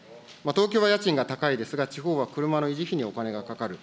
東京は家賃が高いですが、地方は車の維持費にお金がかかる。